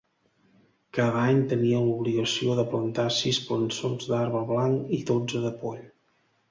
Cada any tenia l’obligació de plantar sis plançons d’arbre blanc i dotze de poll.